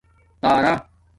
تارا